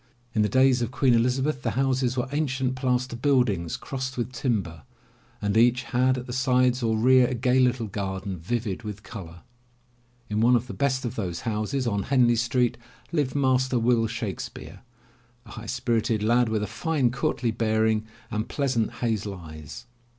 In the days of Queen Elizabeth the houses were ancient plaster buildings crossed with timber and each had at the sides or rear a gay little garden vivid with color. In one of the best of those houses on Henley Street, lived Master Will Shakespeare, a high spirited lad, with a fine, courtly bearing and pleasant hazel eyes.